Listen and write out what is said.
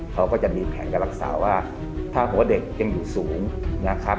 เขาก็จะมีแผนการรักษาว่าถ้าผมว่าเด็กยังอยู่สูงนะครับ